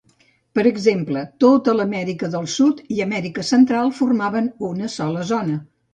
Per exemple, tota l'Amèrica del Sud i l'Amèrica Central formaven una sola zona.